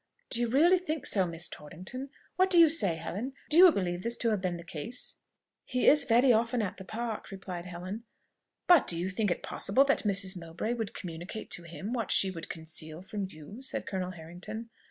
"Do you really think so, Miss Torrington? What do you say, Helen? do you believe this to have been the case?" "He is very often at the Park," replied Helen. "But do you think it possible that Mrs. Mowbray would communicate to him what she would conceal from you?" said Colonel Harrington.